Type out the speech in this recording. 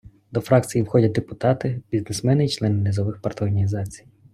До фракції входять депутати - бізнесмени і члени низових парторганізацій.